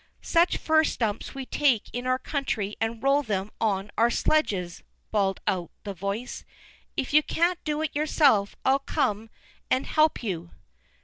"Such fir stumps we take in our country and roll them on our sledges," bawled out the voice. "If you can't do it yourself, I'll come and help you."